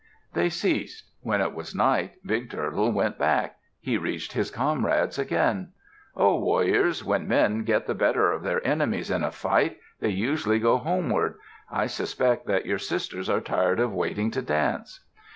They ceased. When it was night, Big Turtle went back. He reached his comrades again. "Ho! Warriors, when men get the better of their enemies in a fight, they usually go homeward. I suspect that your sisters are tired of waiting to dance!"